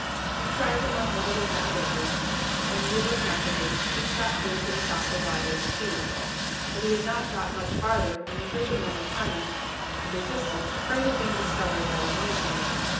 He tried them on one of the round edges, and, nibbling actively, soon got through to the softer body of the cheese. But he had not got much farther when he heard the men returning, and desisted, afraid of being discovered by the noise he made.